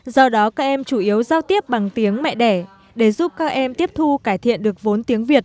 do đó các em chủ yếu giao tiếp bằng tiếng mẹ đẻ